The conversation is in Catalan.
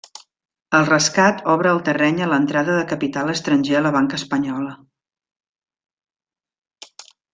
El rescat obre el terreny a l'entrada de capital estranger a la banca espanyola.